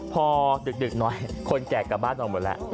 พอดึกหน่อยคนแก่กลับบ้านนอนหมดแล้ว